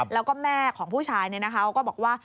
แล้วก็แม่ของผู้ชายเนี่ยนะคะก็บอกว่า